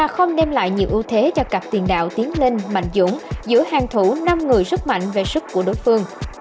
không đem lại nhiều ưu thế cho cặp tiền đạo tiến lên mạnh dũng giữa hàng thủ năm người rất mạnh về sức của đối phương